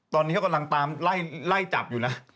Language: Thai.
ตอนนี้เขากำลังตามไล่จับอยู่นะ